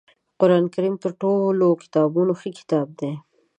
قرآنکریم تر ټولو کتابونو ښه کتاب دی